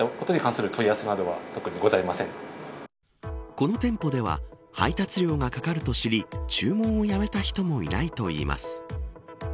この店舗では配達料がかかると知り注文をやめた人もいないといいます。